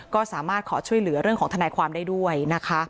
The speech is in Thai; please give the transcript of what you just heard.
ก็สามารถขอช่วยเหลือเรื่องของทนายความได้ด้วยนะคะ